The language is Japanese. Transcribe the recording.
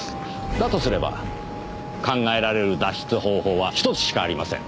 だとすれば考えられる脱出方法は１つしかありません。